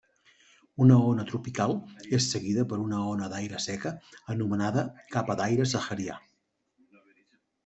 Una ona tropical és seguida per una ona d'aire seca anomenada capa d'aire saharià.